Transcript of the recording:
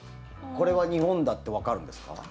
これは日本だってわかるんですか？